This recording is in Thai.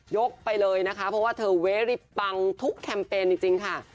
ไปเลยนะคะเพราะว่าเธอเวรี่ปังทุกแคมเปญจริงค่ะ